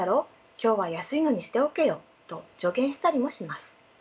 今日は安いのにしておけよ」と助言したりもします。